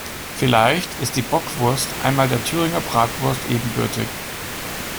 Vielleicht ist die Bockwurst einmal der Thüringer Bratwurst ebenbürtig.